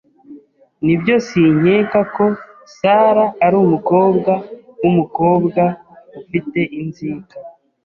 Nibyo, sinkeka ko Sara ari umukobwa wumukobwa ufite inzika.